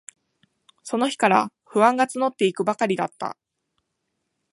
その日から、不安がつのっていくばかりだった。